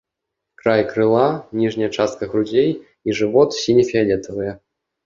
Край крыла, ніжняя частка грудзей і жывот сіне-фіялетавыя.